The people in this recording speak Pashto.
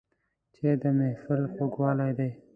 چای د محفل خوږوالی دی